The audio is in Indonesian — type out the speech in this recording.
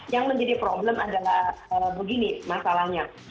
yang menjadi problem adalah begini masalahnya